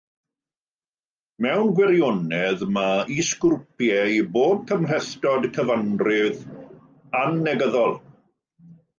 Mewn gwirionedd, mae is-grwpiau i bob cymhlethdod cyfanrif annegyddol.